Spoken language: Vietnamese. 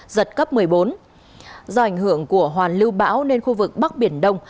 giật cấp một mươi bốn do ảnh hưởng của hoàn lưu bão nên khu vực bắc biển đông